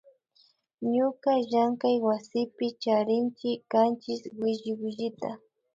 Ñuka llankaywasipi charinchi kanchis williwillita